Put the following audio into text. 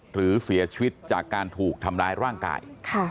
หรือเสียชีวิตจากการถูกทำร้ายร่างกาย